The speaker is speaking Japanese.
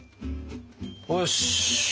よし。